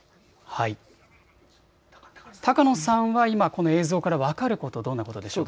高野さんは今この映像から分かること、どんなことでしょうか。